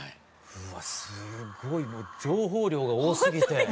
うわすごいもう情報量が多すぎて。